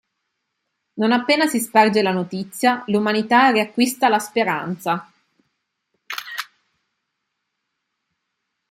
Non appena si sparge la notizia, l'umanità riacquista la speranza.